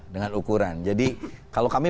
dengan ukuran jadi kalau kami